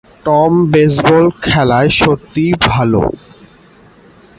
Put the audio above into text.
Tom baseball খেলায় সত্যিই ভালো।